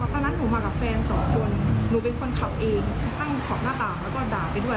ตอนนั้นหนูมากับแฟนสองคนหนูเป็นคนขับเองตั้งถอดหน้าต่างแล้วก็ด่าไปด้วย